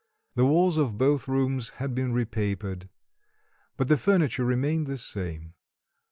The walls of both rooms had been repapered; but the furniture remained the same.